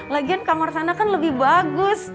lagian kamar sana kan lebih bagus